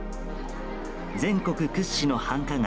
全国屈指の繁華街